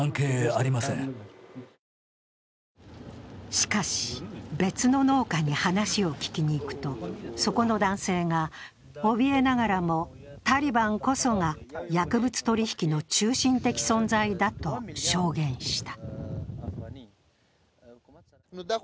しかし、別の農家に話を聞きに行くと、そこの男性がおびえながらもタリバンこそが薬物取引の中心的存在だと証言した。